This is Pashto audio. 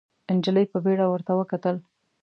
نجلۍ په بيړه ورته وکتل.